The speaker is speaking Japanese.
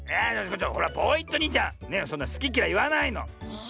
ポイットニーちゃんそんなすききらいいわないの！